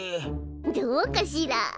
どうかしら？